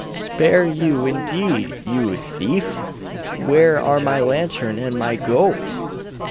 'Spare you, indeed, you thief! Where are my lantern and my goat?